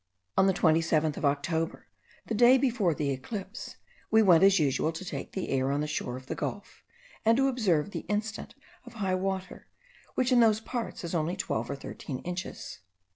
On the 27th of October, the day before the eclipse, we went as usual, to take the air on the shore of the gulf, and to observe the instant of high water, which in those parts is only twelve or thirteen inches.